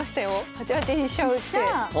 ８八に飛車を打って。